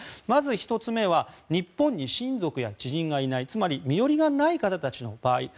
まず１つ目は日本に親族や知人がいないつまり身寄りがない方たちの場合。